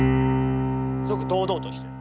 すごく堂々としてる。